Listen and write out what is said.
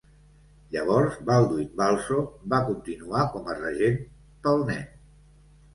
Llavors Baldwin Balso va continuar com a regent pel nen.